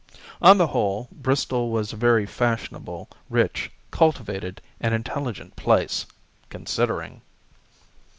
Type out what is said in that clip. On the whole, Bristol was a very fashionable, rich, cultivated, and intelligent place considering.